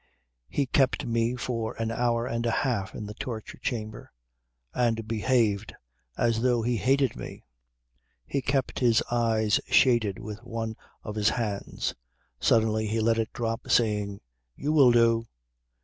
He kept me for an hour and a half in the torture chamber and behaved as though he hated me. He kept his eyes shaded with one of his hands. Suddenly he let it drop saying, "You will do!"